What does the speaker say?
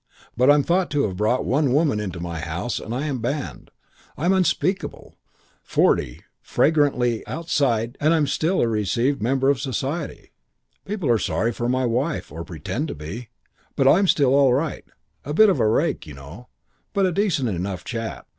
But I'm thought to have brought one woman into my house and I'm banned. I'm unspeakable. Forty, flagrantly, outside, and I'm still a received member of society. People are sorry for my wife, or pretend to be, but I'm still all right, a bit of a rake, you know, but a decent enough chap.